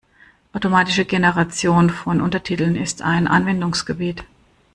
Automatische Generation von Untertiteln ist ein Anwendungsgebiet.